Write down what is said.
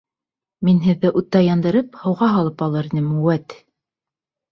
Мин һеҙҙе утта яндырып, һыуға һалып алыр инем, вәт!